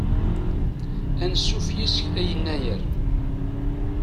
Ansuf yis-k a yennayer.